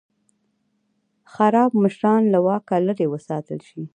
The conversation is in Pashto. خراب مشران له واکه لرې وساتل شي.